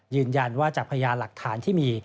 ยืนยันว่าจากพยานหลักฐานที่มี